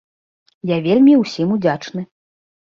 Я вельмі ўсім удзячны!